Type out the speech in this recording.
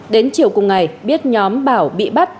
đến chiều cùng ngày biết nhóm bảo bị bắt